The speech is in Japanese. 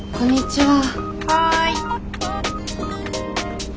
・はい。